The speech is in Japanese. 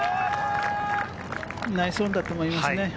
ナイスオンだと思いますね。